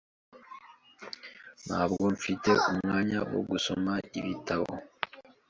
Ntabwo mfite umwanya wo gusoma ibitabo .